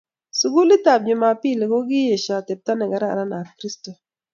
Sukulit ab jumambili kokiesha atepto ne kararan ab kirsto